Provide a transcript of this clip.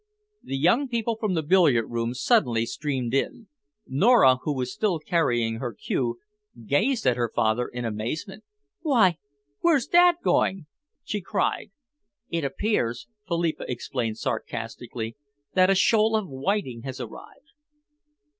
The young people from the billiard room suddenly streamed in. Nora, who was still carrying her cue, gazed at her father in amazement. "Why, where's Dad going?" she cried. "It appears," Philippa explained sarcastically, "that a shoal of whiting has arrived."